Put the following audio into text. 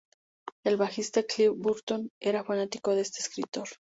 El bajista Cliff Burton era fanático de este escritor.